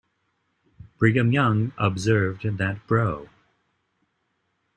Brigham Young observed that Bro.